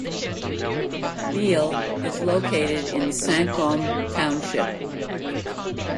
Biehle is located in Cinque Hommes township.